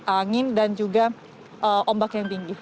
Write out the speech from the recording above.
angin dan juga ombak yang tinggi